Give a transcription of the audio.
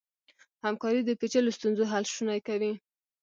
همکاري د پېچلو ستونزو حل شونی کوي.